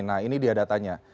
nah ini dia datanya